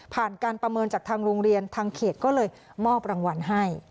การประเมินจากทางโรงเรียนทางเขตก็เลยมอบรางวัลให้